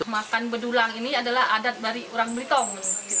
makan bedulang ini adalah adat dari orang belitong